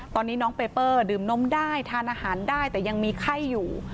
ตอนนี้น้องเปเปอร์ดื่มนมได้ทานอาหารได้แต่ยังมีไข้อยู่